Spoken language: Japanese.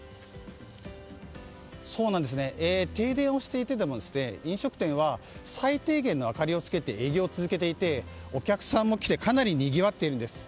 停電をしていても飲食店は最低限の明かりをつけて営業を続けていてお客さんも来てかなりにぎわっているんです。